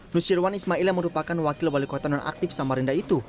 nusyirwan ismail yang merupakan wakil wali kota nonaktif samarinda itu